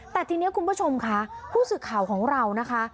แต่ทีนี้คุณผู้ชมค่ะผู้สื่อข่าวของเรานะคะ